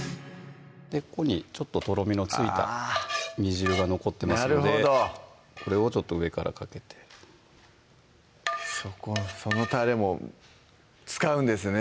ここにちょっととろみのついた煮汁が残ってますのでなるほどこれを上からかけてそのたれも使うんですね